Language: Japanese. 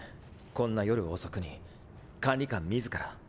こんな夜遅くに管理官自ら。